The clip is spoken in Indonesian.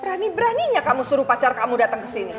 berani beraninya kamu suruh pacar kamu dateng kesini